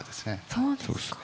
そうですか。